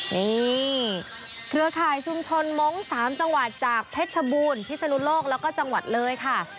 นี่เครือข่ายชุมชนมงค์๓จังหวัดจากเพชรชบูรณ์พิศนุโลกแล้วก็จังหวัดเลยค่ะ